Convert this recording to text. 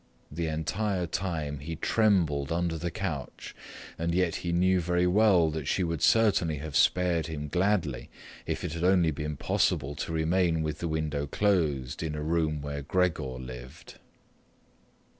The entire time he trembled under the couch, and yet he knew very well that she would certainly have spared him gladly if it had only been possible to remain with the window closed in a room where Gregor lived.